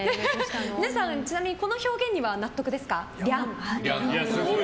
皆さん、ちなみにこの表現には納得ですか？